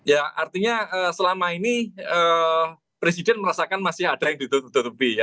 ya artinya selama ini presiden merasakan masih ada yang ditutup tutupi ya